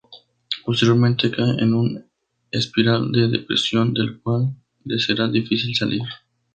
Posteriormente cae en un espiral de depresión del cual le será difícil salir.